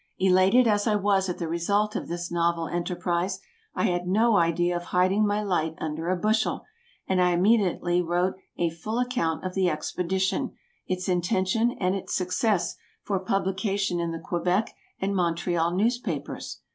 Elated as I was at the result of this novel enterprise, I had no idea of hiding my light under a bushel, and I immediately wrote a full account of the expedition, its intention, and its success, for publication in the Quebec and Montreal newspapers.